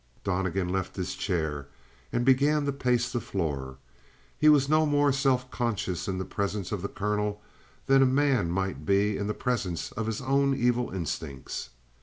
Donnegan left his chair and began to pace the floor. He was no more self conscious in the presence of the colonel than a man might be in the presence of his own evil instincts.